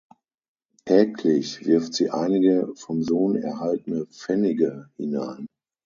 Täglich wirft sie einige vom Sohn erhaltene Pfennige hinein.